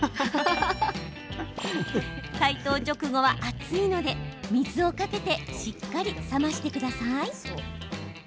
解凍直後は熱いので水をかけてしっかり冷ましてください。